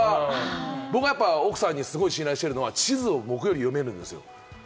僕はやっぱ奥さんにすごく信頼してるので、地図を僕より読めるんですよ。